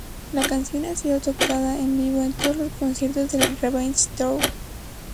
La canción ha sido tocada en vivo en todos los conciertos del "Revenge Tour".